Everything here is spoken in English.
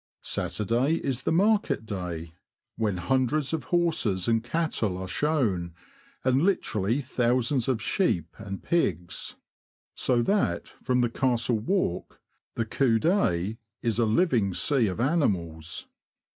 Saturday is the market 92 THE LAND OF THE BROADS. day, when hundreds of horses and cattle are shown, and literally thousands of sheep and pigs ; so that, from the Castle walk, the coup d'osil is a living sea of animals.